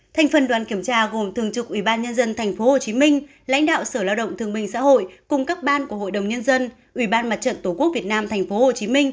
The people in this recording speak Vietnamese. thành phần đoàn kiểm tra gồm thường trực ủy ban nhân dân tp hcm lãnh đạo sở lao động thương minh xã hội cùng các ban của hội đồng nhân dân ủy ban mặt trận tổ quốc việt nam tp hcm